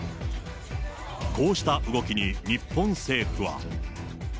こうした動きに日本政府は。